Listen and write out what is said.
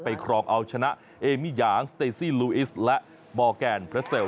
ครองเอาชนะเอมิยางสเตซี่ลูอิสและมอร์แกนเพลสเซล